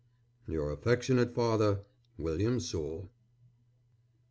Your affectionate father, WILLIAM SOULE.